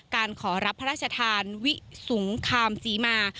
การขอรับพระราชทานวิสงครามศรีมา